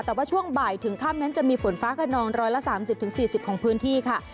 แต่ว่าช่วงบ่ายถึงค่ำนั้นจะมีฝนฟ้าขนอง๑๓๐๔๐ของพื้นที่ค่ะ